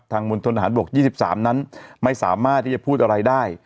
มณฑนฐานบก๒๓นั้นไม่สามารถที่จะพูดอะไรได้